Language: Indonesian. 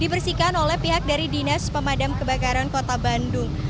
dibersihkan oleh pihak dari dinas pemadam kebakaran kota bandung